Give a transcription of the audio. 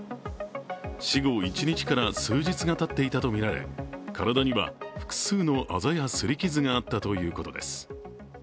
死後１日から数日がたっていたとみられ体には複数のあざやすり傷があったということです。